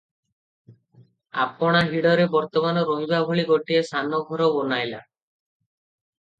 ଆପଣା ଡିହରେ ବର୍ତ୍ତମାନ ରହିବା ଭଳି ଗୋଟିଏ ସାନ ଘର ବନାଇଲା ।